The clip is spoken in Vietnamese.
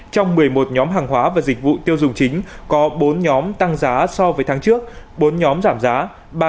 trong một mươi một nhóm hàng hóa và dịch vụ tiêu dùng chính có bốn nhóm tăng giá so với tháng trước bốn nhóm giảm giá